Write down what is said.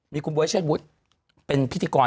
มีคุณบ๊วยเชษวุฒิเป็นพิธีกร